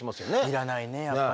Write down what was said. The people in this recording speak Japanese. いらないねやっぱりね。